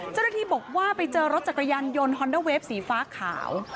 เจ้าหน้าที่บอกว่าไปเจอรถจักรยานยนต์ฮอนเดอร์เฟฟสีฟ้าขาว